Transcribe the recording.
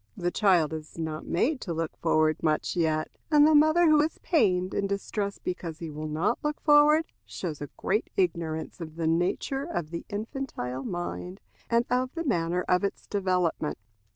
The child is not made to look forward much yet, and the mother who is pained and distressed because he will not look forward, shows a great ignorance of the nature of the infantile mind, and of the manner of its development.